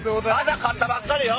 朝刈ったばっかりよ。